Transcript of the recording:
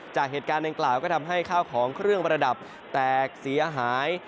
จากเหตุการณ์ดังกล่าวก็ทำให้ข้าวของเครื่องประดับแตกเสียหาย